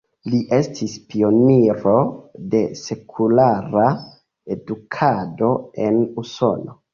Li estis pioniro de sekulara edukado en Usono.